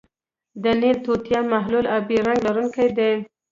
د نیل توتیا محلول آبی رنګ لرونکی دی.